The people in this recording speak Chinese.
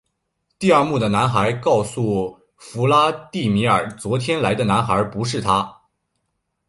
第二幕的男孩告诉弗拉第米尔昨天来的男孩不是他。